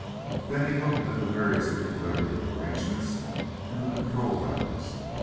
Then he looked to the various equilibrium arrangements and the control levers.